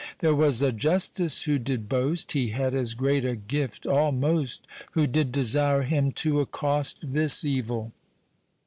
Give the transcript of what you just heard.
There was a justice who did boast, Hee had as great a gift almost, Who did desire him to accost This evill.